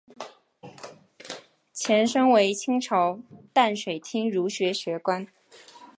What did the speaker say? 前身为清朝淡水厅儒学学宫。